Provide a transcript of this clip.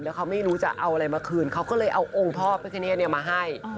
แล้วเขาไม่รู้จะเอาอะไรมาคืนเขาก็เลยเอาองค์พ่อพิคเนธมาให้